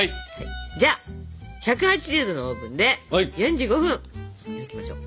じゃあ１８０℃のオーブンで４５分焼きましょう。